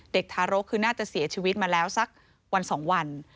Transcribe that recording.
ทารกคือน่าจะเสียชีวิตมาแล้วสักวัน๒วัน